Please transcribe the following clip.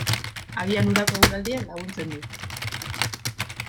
Agian udako eguraldiak laguntzen du.